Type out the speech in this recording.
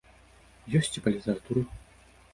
Ёсць і па літаратуры.